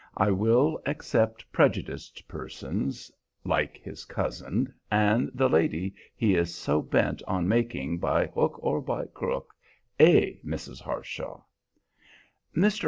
I will except prejudiced persons, like his cousin and the lady he is so bent on making, by hook or by crook, a Mrs. Harshaw. Mr.